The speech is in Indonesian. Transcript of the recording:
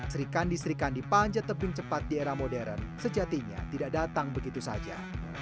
serikandi serikandi panjat tebing cepat di era modern sejatinya tidak datang begitu saja